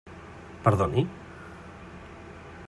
Perdoni?